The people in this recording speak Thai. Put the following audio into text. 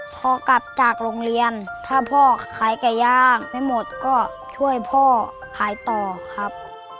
พอกลับจากโรงเรียนถ้าพ่อขายไก่ย่างไม่หมดก็ช่วยพ่อขายต่อครับ